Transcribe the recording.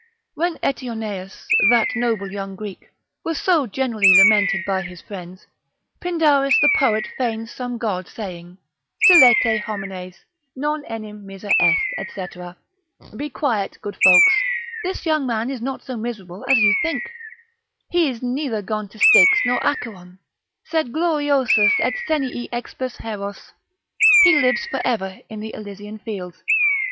When Eteoneus, that noble young Greek, was so generally lamented by his friends, Pindarus the poet feigns some god saying, Silete homines, non enim miser est, &c. be quiet good folks, this young man is not so miserable as you think; he is neither gone to Styx nor Acheron, sed gloriosus et senii expers heros, he lives for ever in the Elysian fields.